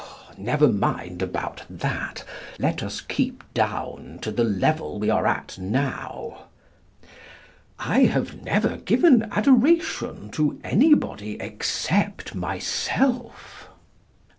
Never mind about that. Let us keep down to the level we are at now. I have never given adoration to any body except myself.